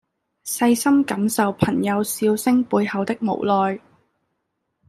細心感受朋友笑聲背後的無奈